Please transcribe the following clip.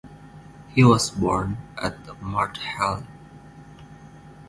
He was born at Marthalen.